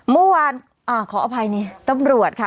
เมื่อวานขออภัยนี่ตำรวจค่ะ